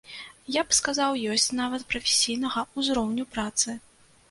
Я б сказаў ёсць нават прафесійнага ўзроўню працы.